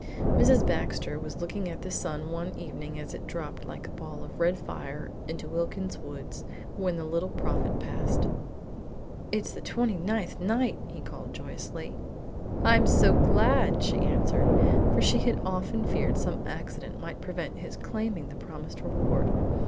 Mrs. Baxter was looking at the sun one evening as it dropped like a ball of red fire into Wilkins's woods, when the Little Prophet passed. "It's the twenty ninth night," he called joyously. "I am so glad," she answered, for she had often feared some accident might prevent his claiming the promised reward.